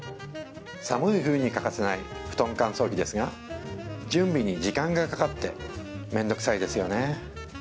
寒い冬に欠かせない布団乾燥機ですが準備に時間がかかってめんどくさいですよね